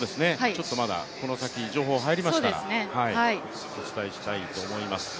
まだこの先、情報入りましたらお伝えしたいと思います。